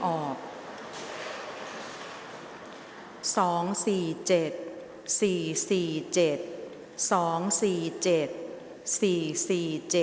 ออกรางวัลที่๖เลขที่๗